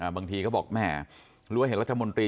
บางทีบอกแหมรู้ไหมว่าเห็นตรวจนนและรัฐมนตรี